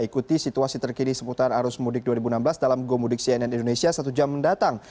ikuti situasi terkini seputar arus mudik dua ribu enam belas dalam gomudik cnn indonesia satu jam mendatang